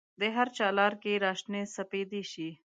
د هرچا لار کې را شنې سپیدې شي